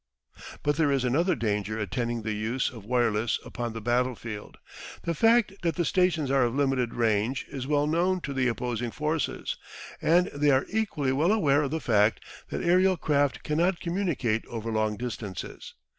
But there is another danger attending the use of wireless upon the battlefield. The fact that the stations are of limited range is well known to the opposing forces, and they are equally well aware of the fact that aerial craft cannot communicate over long distances.